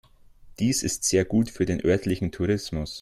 Dies ist sehr gut für den örtlichen Tourismus.